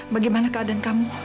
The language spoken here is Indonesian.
bagaimana keadaan kamu